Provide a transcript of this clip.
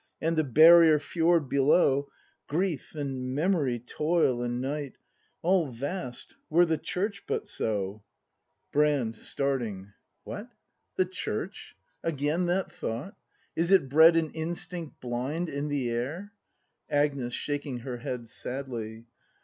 And the barrier fjord below, Grief and memory, toil and night. All vast, — were the Church but so! 162 BRAND [ACT IV Brand. [Starting.] What ! the Church ? Again that thought ? Is it bred an instinct blind In the air? Agnes. [Shaking her head sadly.